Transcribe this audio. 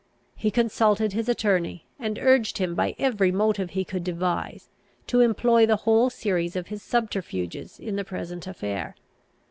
He consulted his attorney, and urged him by every motive he could devise, to employ the whole series of his subterfuges in the present affair.